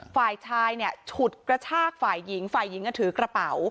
ฝ่ายชายเนี่ยฉุดกระชากฝ่ายหญิงฝ่ายหญิงก็ถือกระเป๋า